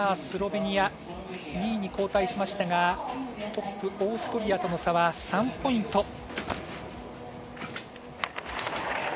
スロベニア、２位に後退しましたが、トップ、オーストリアとの差は３ポイント。